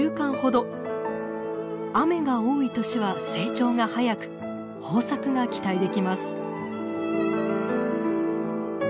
雨が多い年は成長が早く豊作が期待できます。